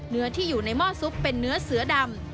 เนื้อที่อยู่ในหม้อซุปเป็นเนื้อเสือดำ